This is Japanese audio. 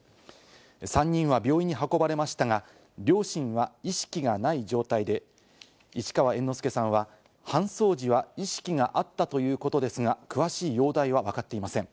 ３人は病院に運ばれましたが、両親は意識がない状態で、市川猿之助さんは、搬送時は意識があったということですが、詳しい容体はわかっていません。